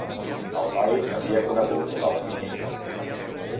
El noi havia conegut l'alquimista.